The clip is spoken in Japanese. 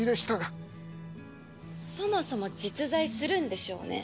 そもそも実在するんでしょうね？